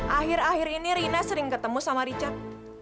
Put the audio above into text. akhir akhir ini rina sering ketemu sama richard